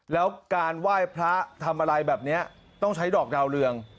แล้วการไหว้พระทำอะไรแบบนี้ต้องใช้ดอกดาวเรือง